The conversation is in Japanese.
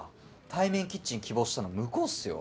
対面キッチン希望したの向こうっすよ？